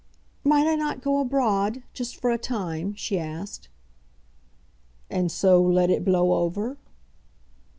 "Might I not go abroad, just for a time?" she asked. "And so let it blow over?"